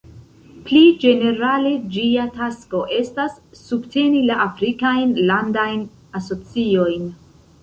Pli ĝenerale ĝia tasko estas subteni la Afrikajn landajn asociojn.